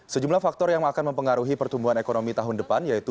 sejumlah faktor yang akan mempengaruhi pertumbuhan ekonomi tahun depan yaitu